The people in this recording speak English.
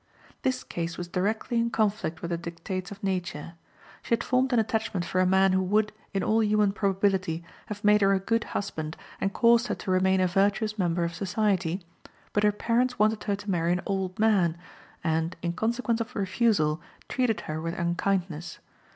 This case was directly in conflict with the dictates of nature. She had formed an attachment for a man who would, in all human probability, have made her a good husband, and caused her to remain a virtuous member of society; but her parents wanted her to marry an old man, and, in consequence of refusal, treated her with unkindness.